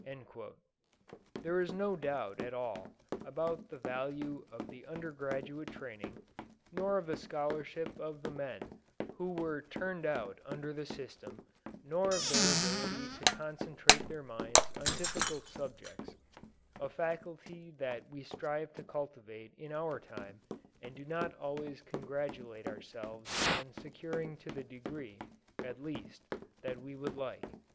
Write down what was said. There is no doubt at all about the value of the undergraduate training, nor of the scholarship of the men who were turned out under the system, nor of their ability to concentrate their minds on difficult subjects a faculty that we strive to cultivate in our time and do not always congratulate ourselves on securing to the degree, at least, that we would like.